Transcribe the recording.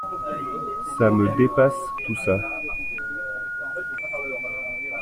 Ça me dépasse, tout ça.